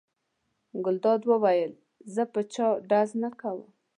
ګلداد وویل: زه په چا ډز نه کوم.